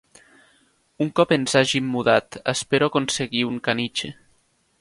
Un cop ens hàgim mudat espero aconseguir un caniche.